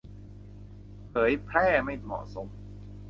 เผยแพร่ไม่เหมาะสม